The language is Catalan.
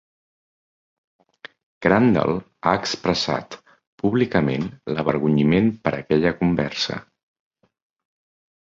Crandall ha expressat públicament l'avergonyiment per aquella conversa.